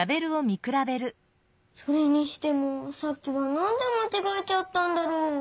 それにしてもさっきはなんでまちがえちゃったんだろう？